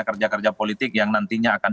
kerja kerja politik yang nantinya akan